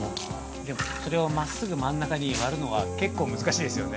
◆それをまっすぐ真ん中に割るのは、結構難しいですよね。